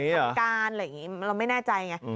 ทางการอะไรอย่างนี้เราไม่แน่ใจไง